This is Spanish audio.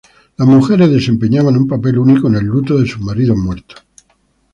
Las mujeres desempeñaban un papel único en el luto de sus maridos muertos.